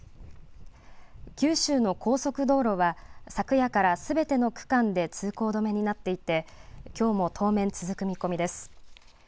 九州の高速道路は、昨夜からすべての区間で通行止めになっていて、きょうも当面続く見込みです。